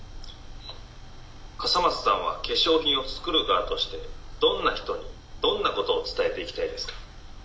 「笠松さんは化粧品を作る側としてどんな人にどんなことを伝えていきたいですか？」。